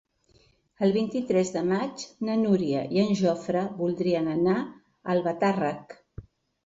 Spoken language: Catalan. El vint-i-tres de maig na Núria i en Jofre voldrien anar a Albatàrrec.